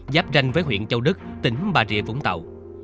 giáp ranh với huyện châu đức tỉnh bà rịa vũng tàu